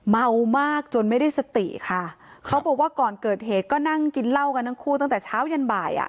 เมามากจนไม่ได้สติค่ะเขาบอกว่าก่อนเกิดเหตุก็นั่งกินเหล้ากันทั้งคู่ตั้งแต่เช้ายันบ่ายอ่ะ